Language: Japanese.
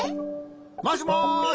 もしもし。